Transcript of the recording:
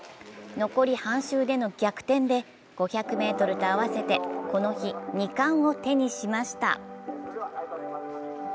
残り半周での逆転で５００ｍと合わせてこの日、２冠を手にしました。